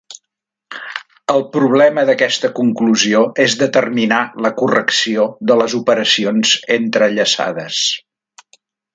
El problema d'aquesta conclusió és determinar la correcció de les operacions entrellaçades.